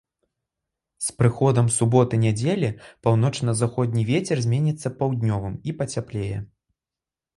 З прыходам суботы-нядзелі паўночна-заходні вецер зменіцца паўднёвым і пацяплее.